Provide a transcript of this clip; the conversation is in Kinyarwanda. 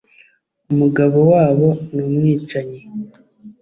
umugabo wabo ni umwicanyi